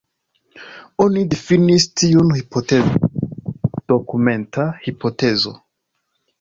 Oni difinis tiun hipotezon dokumenta hipotezo.